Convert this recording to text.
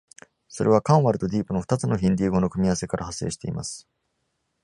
それは、「カンワル」と「ディープ」の二つのヒンディー語の組み合わせから派生しています。